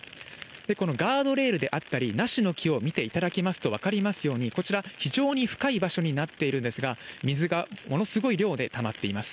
このガードレールであったり、梨の木を見ていただきますと分かりますように、こちら、非常に深い場所になっているんですが、水がものすごい量でたまっています。